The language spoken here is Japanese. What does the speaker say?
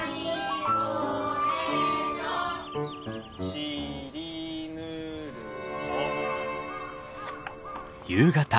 「ちりぬるを」。